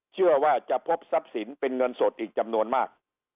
เชื่อว่าจะพบทรัพย์สินเป็นเงินสดอีกจำนวนมาก